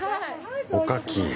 おかき。